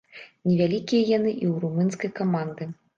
Невялікія яны і ў румынскай каманды.